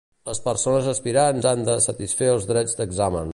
Les persones aspirants han de satisfer els drets d'examen.